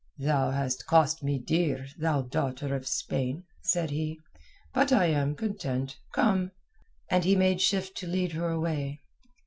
"Thou has cost me dear, thou daughter of Spain," said he. "But I am content. Come." And he made shift to lead her away.